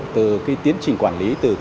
từ cái tiến trình quản lý từ